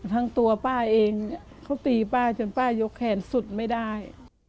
ทั้งตัวป้าเองเขาตีป้าจนป้ายกแขนสุดไม่ได้